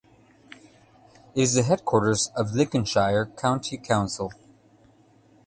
It is the headquarters of Lincolnshire County Council.